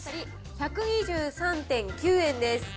１２３．９円です。